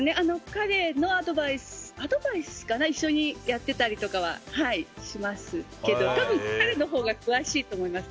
彼のアドバイスかな一緒にやってたりとかはしますけど多分、彼のほうがくわしいと思います。